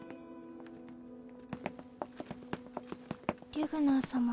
リュグナー様。